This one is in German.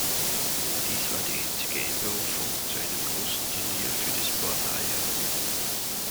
Dies war die einzige Einberufung zu einem großen Turnier für die Sbornaja.